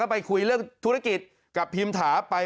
ไปคุยเรื่องธุรกิจกับพิมถาไป